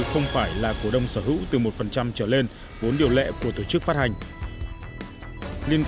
không phải là cổ đông sở hữu từ một trở lên vốn điều lệ của tổ chức phát hành